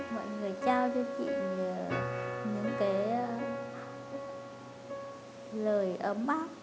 mọi người trao cho chị những cái lời ấm bác